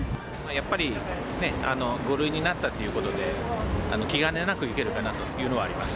やっぱり５類になったということで、気兼ねなく行けるかなというのはあります。